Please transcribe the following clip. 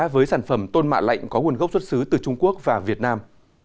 với sản phẩm tôn mạ lạnh có nguồn gốc xuất xứ từ trung quốc và việt nam